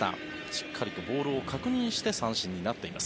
しっかりとボールを確認して三振になっています。